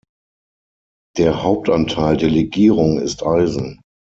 Der Hauptanteil der Legierung ist Eisen.